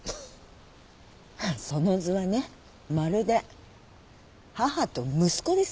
その図はねまるで母と息子ですよ。